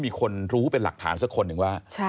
มีคนรู้เป็นหลักฐานสักคนหนึ่งว่า